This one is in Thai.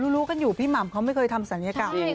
รู้กันอยู่พี่หม่ำเขาไม่เคยทำศัลยกรรม